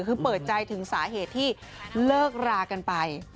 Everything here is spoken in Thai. คือเปิดใจถึงสาเหตุที่เลิกรากันไป